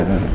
em và bạn